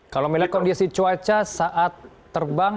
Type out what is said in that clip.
kalau melihat kondisi cuaca saat terbang